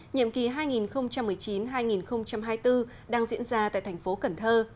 nhiệm kỳ hai nghìn một mươi chín hai nghìn hai mươi bốn đang diễn ra tại thành phố cần thơ